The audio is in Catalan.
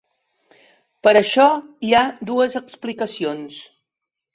Per a això hi ha dues explicacions.